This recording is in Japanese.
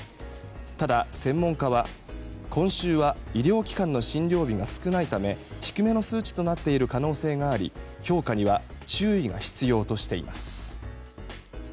ただ、専門家は今週は医療機関の診療日が少ないため低めの数値となっている可能性があり評価には注意が必要としています。